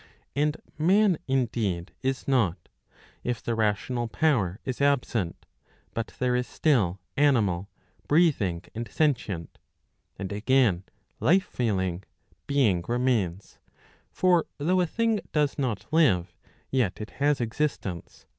And man, indeed, is not, if the rational power is absent, but there is still animal, breathing and sentient. And again, life failing, being remains. For though a thing does not live, yet it has existence.